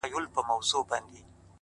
تاته سلام په دواړو لاسو كوم،